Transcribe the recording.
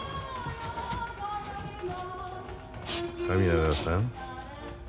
神永さん。